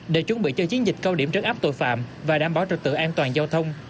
để chuẩn bị cho chiến dịch cao điểm trấn áp tội phạm và đảm bảo trực tự an toàn giao thông